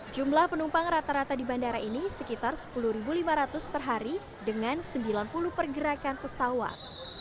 jumlah penumpang rata rata di bandara ini sekitar sepuluh lima ratus per hari dengan sembilan puluh pergerakan pesawat